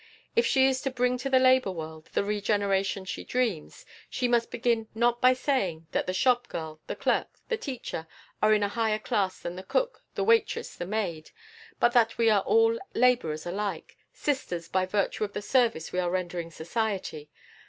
If she is to bring to the labor world the regeneration she dreams, she must begin not by saying that the shop girl, the clerk, the teacher, are in a higher class than the cook, the waitress, the maid, but that we are all laborers alike, sisters by virtue of the service we are rendering society.